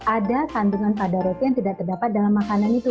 ada kandungan pada roti yang tidak terdapat dalam makanan itu